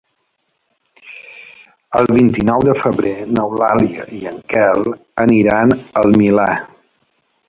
El vint-i-nou de febrer n'Eulàlia i en Quel aniran al Milà.